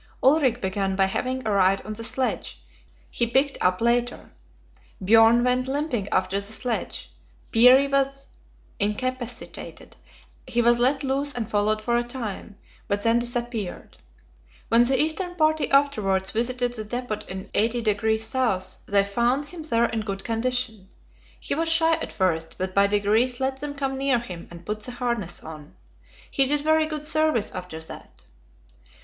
Ulrik began by having a ride on the sledge; he picked up later. Björn went limping after the sledge. Peary was incapacitated; he was let loose and followed for a time, but then disappeared. When the eastern party afterwards visited the depot in 80° S., they found him there in good condition. He was shy at first, but by degrees let them come near him and put the harness on. He did very good service after that.